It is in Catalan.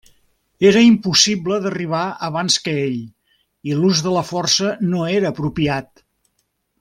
Era impossible d'arribar abans que ell i l'ús de la força no era apropiat.